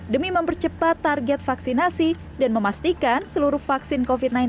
demi mempercepat target vaksinasi dan memastikan seluruh vaksin covid sembilan belas